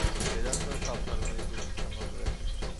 বেদান্ত সব ধর্মেরই যুক্তিসঙ্গত ব্যাখ্যাস্বরূপ।